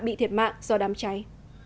nghiệp mạng do đám cháy